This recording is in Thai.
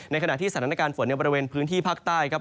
ขณะที่สถานการณ์ฝนในบริเวณพื้นที่ภาคใต้ครับ